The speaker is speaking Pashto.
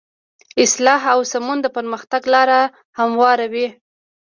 اصلاح او سمون د پرمختګ لاره هواروي.